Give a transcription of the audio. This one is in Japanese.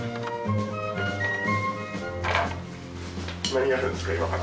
何やるんですか？